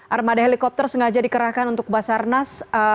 armada helikopter sengaja dikerahkan untuk basarnas